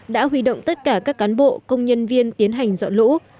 đã huy động tất cả các cán bộ công nhân viên tiến hành dọn lũ